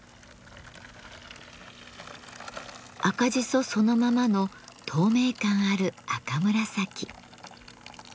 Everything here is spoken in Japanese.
赤じそそのままの透明感ある赤紫。